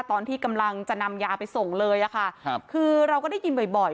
ตอนที่กำลังจะนำยาไปส่งเลยอะค่ะครับคือเราก็ได้ยินบ่อยบ่อย